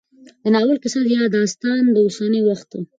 د ناول کيسه يا داستان د اوسني وخت